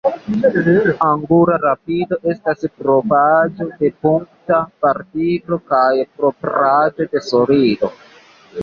Angula rapido estas propraĵo de punkta partiklo kaj propraĵo de solido.